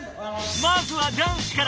まずは男子から。